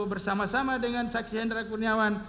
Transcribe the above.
bersama sama dengan saksi hendra kurniawan